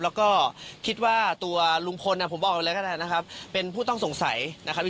แล้วก็คิดว่าตัวลุงพลผมบอกเลยก็ได้นะครับเป็นผู้ต้องสงสัยนะครับ